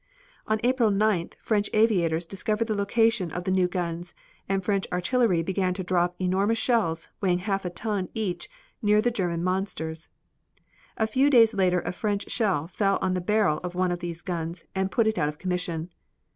On April 9th French aviators discovered the location of the new guns, and French artillery began to drop enormous shells weighing half a ton each near the German monsters. A few days later a French shell fell on the barrel of one of these guns and put it out of commission.